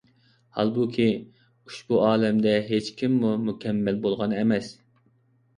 ھالبۇكى، ئۇشبۇ ئالەمدە ھېچكىممۇ مۇكەممەل بولغان ئەمەس.